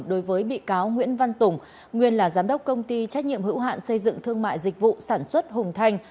đối với bị cáo nguyễn văn tùng nguyên là giám đốc công ty trách nhiệm hữu hạn xây dựng thương mại dịch vụ sản xuất hùng thành